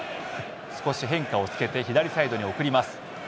少し変化をつけて左サイドに送ります。